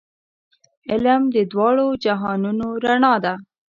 علم د دواړو جهانونو رڼا ده.